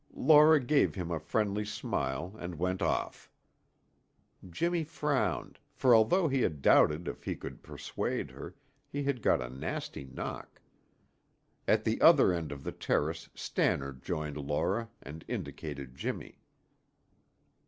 Laura gave him a friendly smile and went off. Jimmy frowned, for although he had doubted if he could persuade her, he had got a nasty knock. At the other end of the terrace Stannard joined Laura and indicated Jimmy.